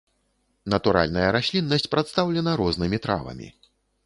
Натуральная расліннасць прадстаўлена рознымі травамі.